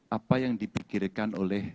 apa yang dipikirkan oleh